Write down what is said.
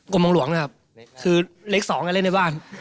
กรมเมืองหลวงนะครับคือเลข๒เล่นในบ้าน